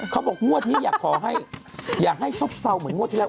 เขาบอกงวดนี้อยากขอให้อย่าให้ซบเศร้าเหมือนงวดที่แล้ว